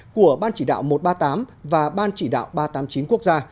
của ban chỉ đạo một trăm ba mươi tám và ban chỉ đạo ba trăm tám mươi chín quốc gia